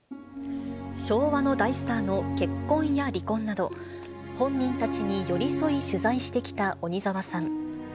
昭和の大スターの結婚や離婚など、本人たちに寄り添い取材してきた鬼澤さん。